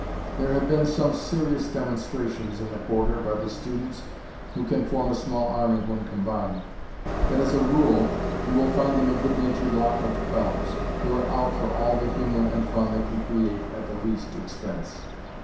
There have been some serious demonstrations in the Quarter by the students, who can form a small army when combined. But as a rule you will find them a good natured lot of fellows, who are out for all the humor and fun they can create at the least expense.